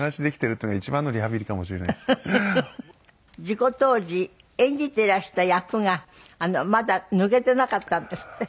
事故当時演じていらした役がまだ抜けてなかったんですって？